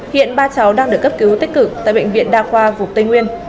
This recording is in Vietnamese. hiện ba cháu đang được cấp cứu tích cực tại bệnh viện đa khoa vùng tây nguyên